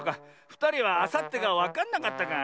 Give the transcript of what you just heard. ふたりはあさってがわかんなかったか。